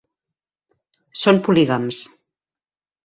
Són polígams.